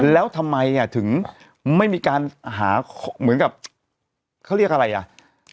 แล้วทำไมถึงไม่มีการหาเขาเรียกกับอะไร